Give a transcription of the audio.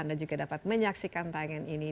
anda juga dapat menyaksikan tayangan ini